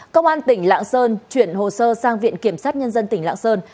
công an tỉnh lạng sơn chuyển hồ sơ sang viện kiểm sát nhân dân tỉnh lạng sơn